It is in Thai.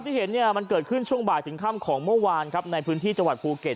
ที่เห็นเนี่ยมันเกิดขึ้นช่วงบ่ายถึงค่ำของเมื่อวานครับในพื้นที่จังหวัดภูเก็ต